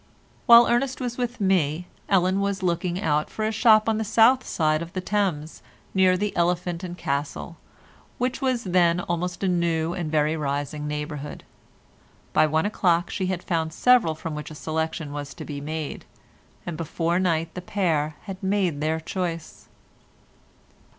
While Ernest was with me Ellen was looking out for a shop on the south side of the Thames near the "Elephant and Castle," which was then almost a new and a very rising neighbourhood. By one o'clock she had found several from which a selection was to be made, and before night the pair had made their choice.